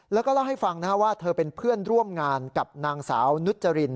แล้วก็เล่าให้ฟังว่าเธอเป็นเพื่อนร่วมงานกับนางสาวนุจริน